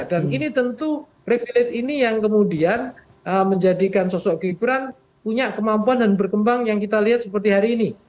dan ini tentu repelit ini yang kemudian menjadikan sosok gibran punya kemampuan dan berkembang yang kita lihat seperti hari ini